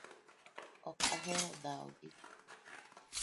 Ok ahero dhao gi ji